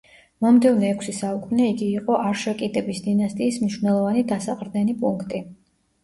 მომდევნო ექვსი საუკუნე იგი იყო არშაკიდების დინასტიის მნიშვნელოვანი დასაყრდენი პუნქტი.